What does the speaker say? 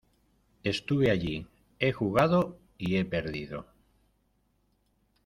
¡ estuve allí, he jugado y he perdido!